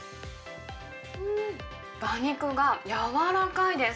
うーん、馬肉が柔らかいです。